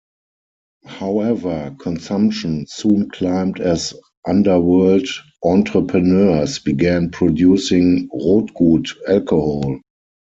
However, consumption soon climbed as underworld entrepreneurs began producing "rotgut" alcohol.